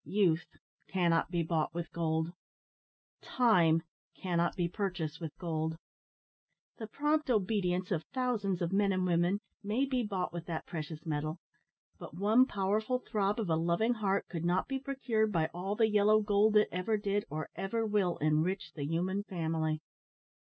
Youth cannot be bought with gold. Time cannot be purchased with gold. The prompt obedience of thousands of men and women may be bought with that precious metal, but one powerful throb of a loving heart could not be procured by all the yellow gold that ever did or ever will enrich the human family.